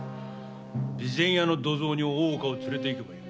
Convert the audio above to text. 備前屋の土蔵に大岡を連れていけばよい。